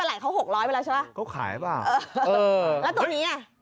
อันแรกเขา๖๐๐ไปแล้วใช่ป่ะก็ขายป่ะเออเออแล้วตัวนี้อ่ะ